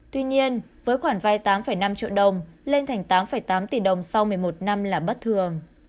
tuy nhiên với khoản vay tám năm triệu đồng lên thành tám tám tỷ đồng sau một mươi một năm là bất thường